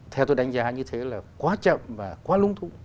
theo tôi đánh giá như thế là quá chậm và quá lung thụ